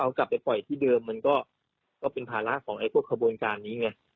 เอากลับไปปล่อยที่เดิมมันก็เป็นภาระของไอ้พวกขบวนการนี้ไง